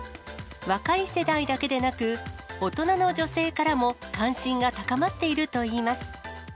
若い世代だけでなく、大人の女性からも関心が高まっているといいます。